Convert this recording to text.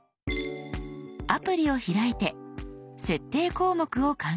アプリを開いて設定項目を考えましょう。